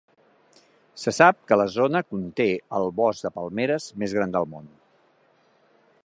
Se sap que la zona conté el bosc de palmeres més gran del món.